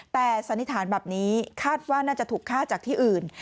แต่สันนิษฐานแบบนี้คาดว่าน่าจะถูกฆ่าจากที่อื่น